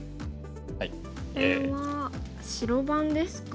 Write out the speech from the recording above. これは白番ですか？